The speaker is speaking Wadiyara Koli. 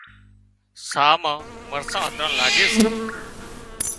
ساهَه مان مرسان هڌران لاڳي سي